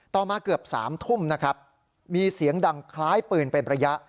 มาเกือบ๓ทุ่มนะครับมีเสียงดังคล้ายปืนเป็นระยะ